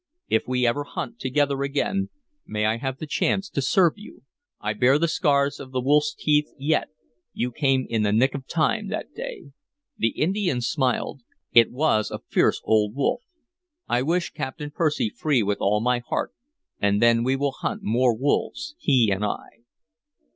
If ever we hunt together again, may I have the chance to serve you! I bear the scars of the wolf's teeth yet; you came in the nick of time, that day." The Indian smiled. "It was a fierce old wolf. I wish Captain Percy free with all my heart, and then we will hunt more wolves, he and I."